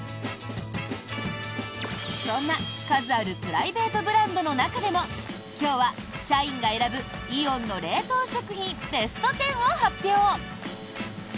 そんな、数あるプライベートブランドの中でも今日は、社員が選ぶイオンの冷凍食品ベスト１０を発表。